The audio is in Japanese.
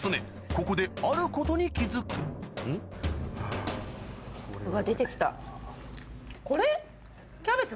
ここであることに気付くこれ。